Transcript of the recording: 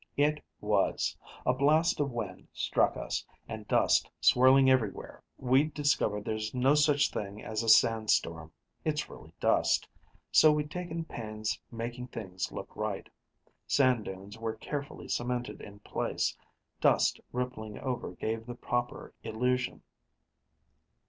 It was! A blast of wind struck us, and dust, swirling everywhere. We'd discovered there's no such thing as a sand storm it's really dust so we'd taken pains making things look right. Sand dunes were carefully cemented in place; dust rippling over gave the proper illusion.